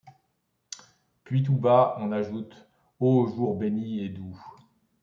Puis tout bas on ajoute : ô jours bénis et doux !